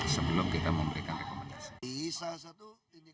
sebelum kita memberikan rekomendasi